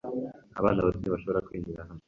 Abana bato ntibashobora kwinjira hano.